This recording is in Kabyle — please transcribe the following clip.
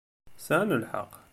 Sɛan lḥeqq.